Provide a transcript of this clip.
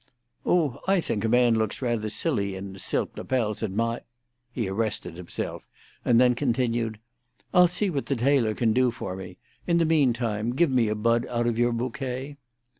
"Oh, I think a man looks rather silly in silk lapels at my—" He arrested himself, and then continued: "I'll see what the tailor can do for me. In the meantime, give me a bud out of your bouquet."